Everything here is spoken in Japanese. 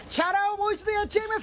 もう１度やっちゃいます